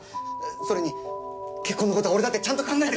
それに結婚のことは俺だってちゃんと考えて。